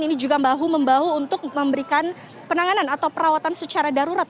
ini juga bahu membahu untuk memberikan penanganan atau perawatan secara darurat